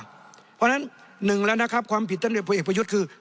เพราะฉะนั้นหนึ่งแล้วนะครับความผิดท่านเรียกผู้เอกประยุทธ์คือ